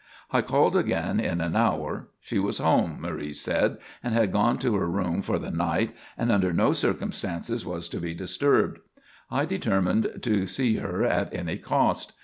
I called again in an hour. She was home, Marie said, and had gone to her room for the night and under no circumstances was to be disturbed. I determined to see her at any cost.